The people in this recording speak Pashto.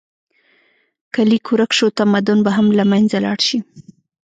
که لیک ورک شو، تمدن به هم له منځه لاړ شي.